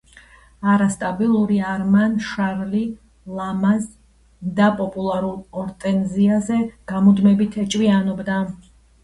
ქორწინება უიღბლო იყო, რადგან ფსიქიურად არასტაბილური არმან შარლი ლამაზ და პოპულარულ ორტენზიაზე გამუდმებით ეჭვიანობდა.